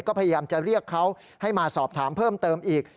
ก็พยายามจะเรียกเขาให้มาสอบถามเพิ่มเติมอีก